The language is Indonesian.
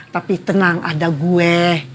tapi tenang ada gue